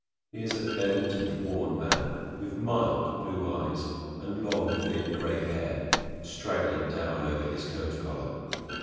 He is a bent and worn man with mild blue eyes and long, thin grey hair straggling down over his coat collar.